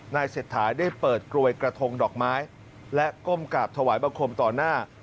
เศรษฐาได้เปิดกลวยกระทงดอกไม้และก้มกราบถวายบังคมต่อหน้า